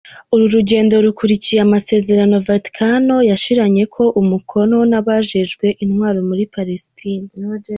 Uru rugendo rukurikiye amasezerano Vaticano yashiranyeko umukono n'abajejwe intwaro muri Palestine.